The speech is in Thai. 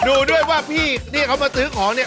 ดูด้วยว่าพี่ที่เขามาซื้อของเนี่ย